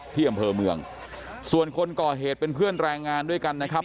ที่อำเภอเมืองส่วนคนก่อเหตุเป็นเพื่อนแรงงานด้วยกันนะครับ